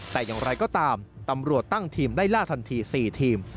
แต่อย่างไรก็ตามตำรวจตั้งทีมไล่ล่าทันที๔ทีม